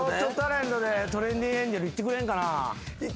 トレンディエンジェル行ってくれんかな？